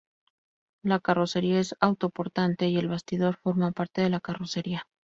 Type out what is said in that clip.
La carrocería es autoportante y el bastidor forma parte de la carrocería.